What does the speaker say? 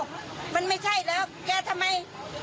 มันก็เร่งมาเลยถ้ามันกินมอเตอร์ไซส์แม่กับไอ้วิทย์น่ะตาย